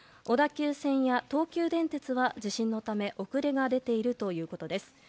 小田急線や東急電鉄は地震のため遅れが出ているということです。